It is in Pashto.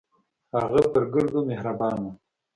هغه پر ګردو مهربان و.